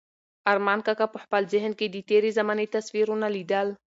ارمان کاکا په خپل ذهن کې د تېرې زمانې تصویرونه لیدل.